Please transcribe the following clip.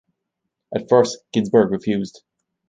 At first, Ginsberg refused.